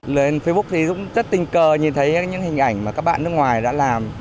lên facebook thì cũng rất tình cờ nhìn thấy những hình ảnh mà các bạn nước ngoài đã làm